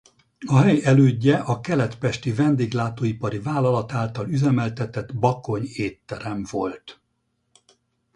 A hely elődje a Kelet-pesti Vendéglátóipari Vállalat által üzemeltetett Bakony étterem volt.